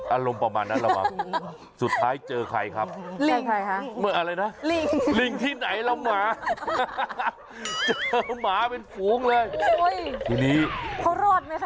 อารมณ์ประมาณนั้นแหละหรือเปล่าสุดท้ายเจอใครครับ